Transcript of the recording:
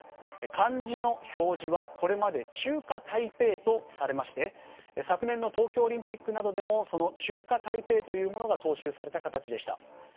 漢字の表示はこれまで中華台北とされまして昨年の東京オリンピックなどでもその中華台北というものが踏襲された形でした。